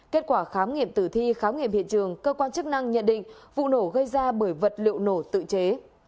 kết quả khám nghiệm tử thi khám nghiệm hiện trường cơ quan chức năng nhận định vụ nổ gây ra bởi vật liệu nổ tự chế